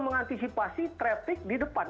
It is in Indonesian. mengantisipasi trafik di depan